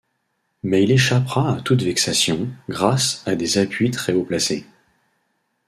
Mais il échappera à toute vexation, grâce à des appuis très haut placés.